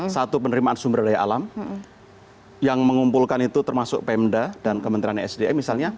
satu penerimaan sumber daya alam yang mengumpulkan itu termasuk pemda dan kementerian sdm misalnya